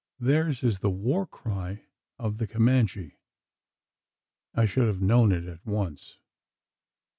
Theirs is the war cry of the Comanche. I should have known it at once.